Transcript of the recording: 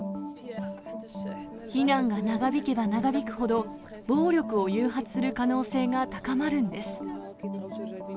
避難が長引けば長引くほど、暴力を誘発する可能性が高まるんです。